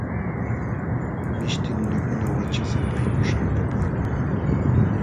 Mishti nunakuna wachasapaykuśhqam kapaakun.